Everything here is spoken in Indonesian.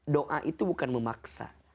doa itu bukan memaksa